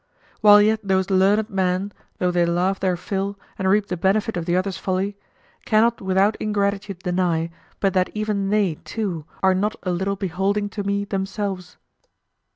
While yet those learned men, though they laugh their fill and reap the benefit of the other's folly, cannot without ingratitude deny but that even they too are not a little beholding to me themselves.